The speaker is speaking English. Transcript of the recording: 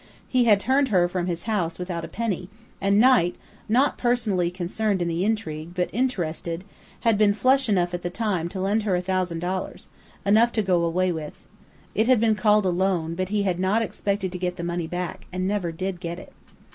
He had turned her from his house without a penny, and Knight not personally concerned in the intrigue, but interested had been flush enough at the time to lend her a thousand dollars, enough to go away with. It had been called a loan, but he had not expected to get the money back, and never did get it.